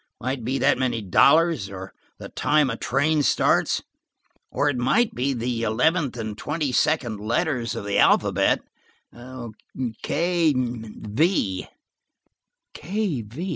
It might be that many dollars, or the time a train starts, or it might be the eleventh and the twenty second letters of the alphabet–k–v." "K–v!"